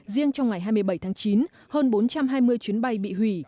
riêng trong ngày hai mươi bảy tháng chín hơn bốn trăm hai mươi chuyến bay bị hủy